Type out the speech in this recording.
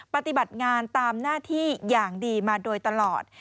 ปฏิบัติงานตามหน้าที่อย่างดีมาโดยตลอด